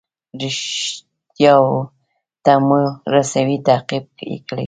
ریښتیاوو ته مو رسوي تعقیب یې کړئ.